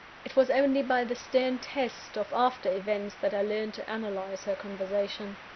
It was only by the stern test of after events that I learnt to analyse her conversation.